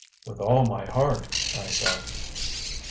"With all my heart," I said. "Ha!